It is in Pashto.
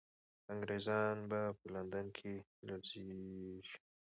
انګریزان به په لندن کې لړزېږي.